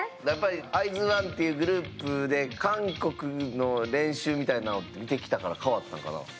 やっぱりＩＺＯＮＥっていうグループで韓国の練習みたいなの見てきたから変わったんかな？